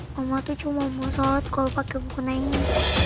mama tuh cuma mau sholat kalau pake mukena ini